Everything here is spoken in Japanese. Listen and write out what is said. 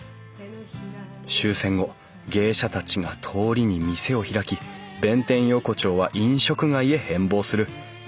終戦後芸者たちが通りに店を開き弁天横丁は飲食街へ変貌する。